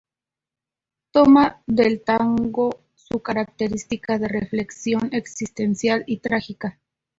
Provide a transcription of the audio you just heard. Toma del tango su característica de reflexión existencial y trágica.